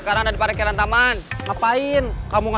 yang diberikan habis sebenarnya